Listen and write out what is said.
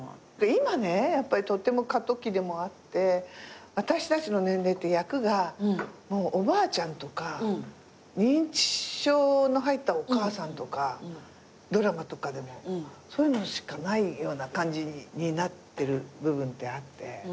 今ねやっぱりとっても過渡期でもあって私たちの年齢って役がおばあちゃんとか認知症の入ったお母さんとかドラマとかでもそういうのしかないような感じになってる部分ってあって。